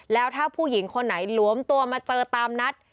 แล้วถ้าผู้หญิงคนไหนหลวมตัวมาเจอตามนัด